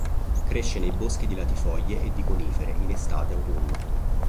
Cresce nei boschi di latifoglie e di conifere, in estate-autunno.